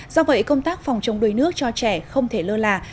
do vậy công tác phòng chống đuối nước cho trẻ không thể lơ là